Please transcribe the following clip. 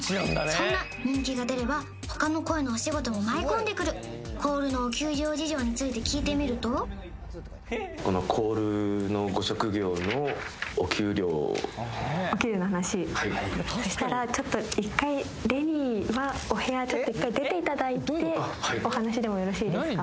そんな人気が出れば他の声のお仕事も舞い込んでくるコールのお給料事情について聞いてみるとそしたらちょっと一回レニーはお部屋ちょっと出ていただいてお話しでもよろしいですか？